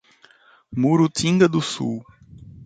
Murutinga do Sul